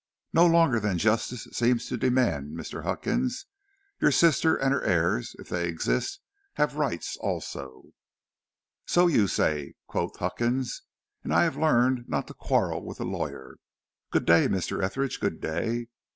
"No longer than justice seems to demand, Mr. Huckins; your sister, and her heirs, if they exist, have rights also." "So you say," quoth Huckins, "and I have learned not to quarrel with a lawyer. Good day, Mr. Etheridge, good day.